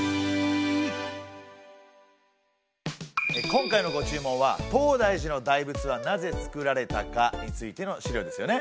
今回のご注文は「東大寺の大仏はなぜ造られたか？」についての資料ですよね。